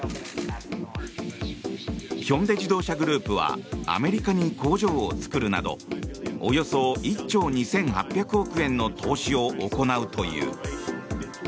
ヒョンデ自動車グループはアメリカに工場を作るなどおよそ１兆２８００億円の投資を行うという。